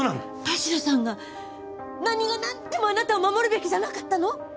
田代さんが何がなんでもあなたを守るべきじゃなかったの？